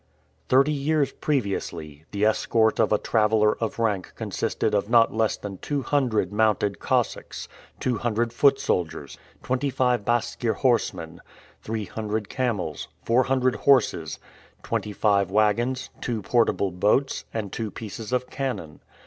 Thirty years previously, the escort of a traveler of rank consisted of not less than two hundred mounted Cossacks, two hundred foot soldiers, twenty five Baskir horsemen, three hundred camels, four hundred horses, twenty five wagons, two portable boats, and two pieces of cannon.